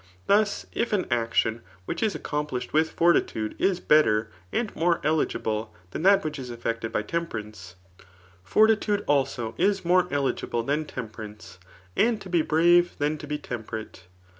] Thus, if an acdoa which is accom plished with fortitude, is better and more eligible than that which is effected by temperance, fortitude also is ^ TRIAaTOV aOQUI. more edible than tBoiperanoe, and to be brave tfaaa to lit temperate.